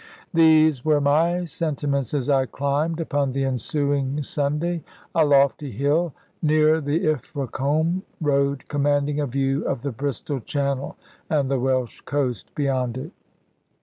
These were my sentiments as I climbed, upon the ensuing Sunday, a lofty hill near the Ilfracombe road, commanding a view of the Bristol Channel and the Welsh coast beyond it.